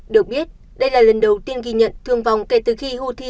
được biết đây là lần đầu tiên ghi nhận thương vong kể từ khi houthi